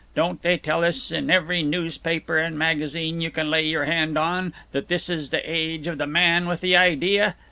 Don't they tell us in every newspaper and magazine you can lay your hand on that this is the Age of the Man with the Idea?